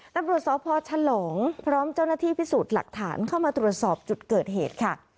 ตำรวจสพฉลองพร้อมเจ้าหน้าที่พิสูจน์หลักฐานเข้ามาตรวจสอบจุดเกิดเหตุค่ะ